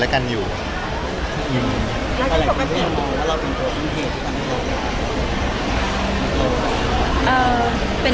อยากรู้คือกัน